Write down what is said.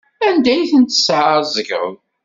Anda ay tent-tesɛeẓgeḍ?